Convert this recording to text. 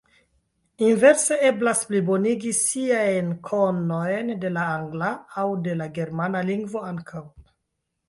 Inverse eblas plibonigi siajn konojn de la angla aŭ de la germana lingvo ankaŭ.